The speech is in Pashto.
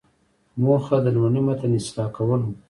موخه د لومړني متن اصلاح کول وو.